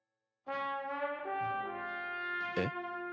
えっ。